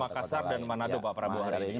makassar dan manado pak prabowo hari ini